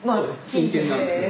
・近辺なんですよね。